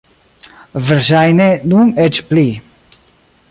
Verŝajne nun eĉ pli.